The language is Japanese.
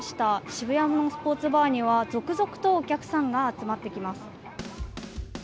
渋谷のスポーツバーには続々とお客さんが集まってきます。